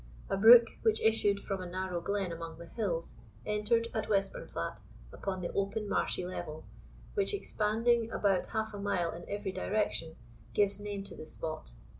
A brook, which issued from a narrow glen among the hills, entered, at Westburnflat, upon the open marshy level, which, expanding about half a mile in every direction, gives name to the spot.